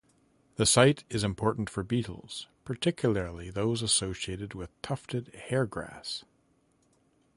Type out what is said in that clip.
The site is important for beetles, particularly those associated with tufted hair-grass.